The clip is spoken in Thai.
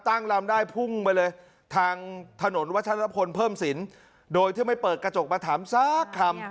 ลำได้พุ่งไปเลยทางถนนวัชรพลเพิ่มสินโดยที่ไม่เปิดกระจกมาถามสักคำ